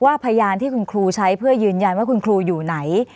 พยานที่คุณครูใช้เพื่อยืนยันว่าคุณครูอยู่ไหน